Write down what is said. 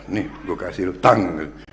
nih gue kasih hutang